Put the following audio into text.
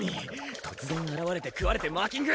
突然現れて食われてマーキング？